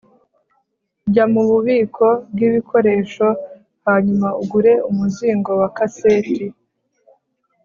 jya mububiko bwibikoresho hanyuma ugure umuzingo wa kaseti